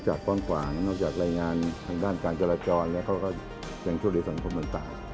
จากป้องกว่างนอกจากรายงานทางด้านการเจรจรแล้วก็จังชุดในสังคมบริษัท